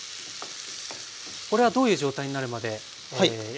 これはどういう状態になるまでやっていきますか？